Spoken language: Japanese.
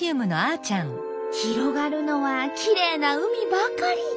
広がるのはきれいな海ばかり。